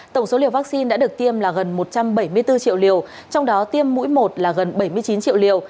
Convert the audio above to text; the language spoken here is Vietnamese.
tổng số liều vaccine đã được tiêm là gần một trăm bảy mươi bốn triệu liều trong đó tiêm mũi một là gần bảy mươi chín triệu liều